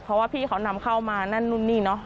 เพราะว่าพี่เขานำเข้ามานั่นนู่นนี่เนอะ